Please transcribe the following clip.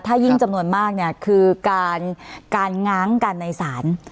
ถ้ายิ่งจำนวนมากเนี่ยคือการง้างกันในศาล